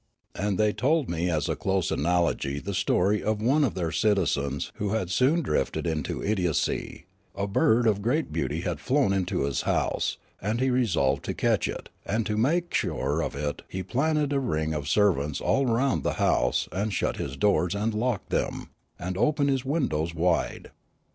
AikI they told me as a close analogy the story of one of their citizens who had soon drifted into idiocy ; a bird of great beauty had flown into his house, and he resolved to catch it ; and to make sure of it he planted a ring of servants all round the house and shut his doors and locked them, and opened his windows wide.